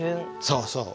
そうそう。